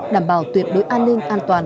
đảm bảo tuyệt đối an ninh an toàn